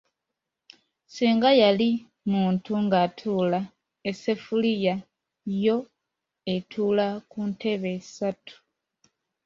Singa yali muntu ng'atuula, esseffuliya yo etuula ku "ntebe" ssatu.